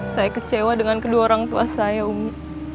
saya kecewa dengan kedua orang tua saya umi